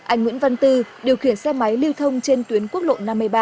anh nguyễn văn tư điều khiển xe máy lưu thông trên tuyến quốc lộ năm mươi ba